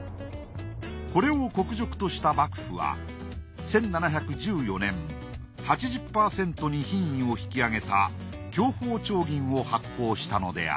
これを国辱とした幕府は１７１４年８０％に品位を引き上げた享保丁銀を発行したのであった。